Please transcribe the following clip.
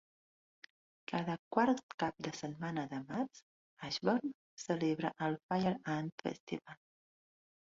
Cada quart cap de setmana de març, Ashburn celebra el Fire Ant Festival.